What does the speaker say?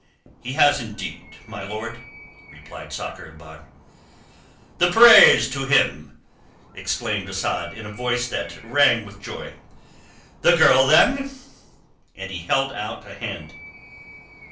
"He has, indeed, my lord," replied Sakr el Bahr. "The praise to Him!" exclaimed Asad in a voice that rang with joy. "The girl, then!" And he held out a hand.